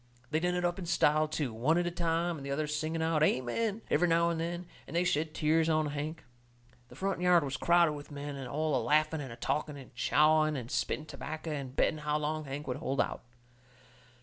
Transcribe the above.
They done it up in style, too, one at a time, and the others singing out, "Amen!" every now and then, and they shed tears down onto Hank. The front yard was crowded with men, all a laughing and a talking and chawing and spitting tobacco and betting how long Hank would hold out.